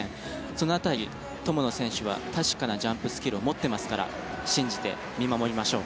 その辺り、友野選手は確かなジャンプスキルを持っていますから信じて見守りましょう。